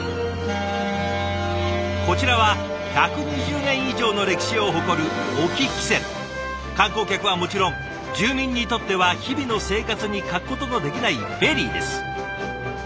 こちらは１２０年以上の歴史を誇る観光客はもちろん住民にとっては日々の生活に欠くことのできないフェリーです。